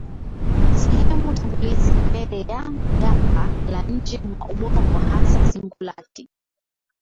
Sehemu tangulizi mbeleya gamba la nje mwa ubongo hasa singulati ya